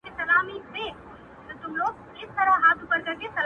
پهلوان د ترانو د لر او بر دی؛